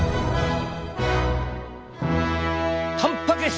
たんぱく質。